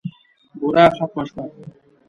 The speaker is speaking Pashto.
بوره ختمه شوه .